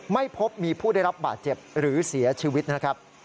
ไม่พบมีผู้ได้รับบาดเจ็บหรือเสียชีวิตนะครับ